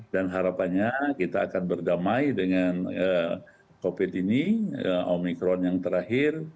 dan harapannya kita akan berdamai dengan covid ini omikron yang terakhir